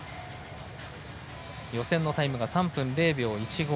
予選のタイムが３分０秒１５。